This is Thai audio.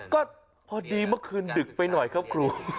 ก็พอดีเมื่อคืนดึกไปหน่อยครับครู